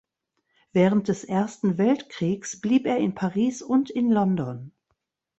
Während des Ersten Weltkriegs blieb er in Paris und in London.